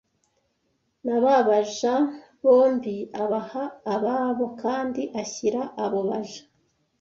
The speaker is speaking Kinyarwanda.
na ba baja g bombi abaha ababo kandi ashyira abo baja